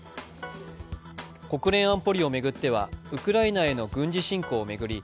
国連安保理を巡ってはウクライナへの軍事侵攻を巡り